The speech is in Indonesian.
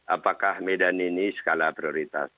apakah medan ini skala prioritas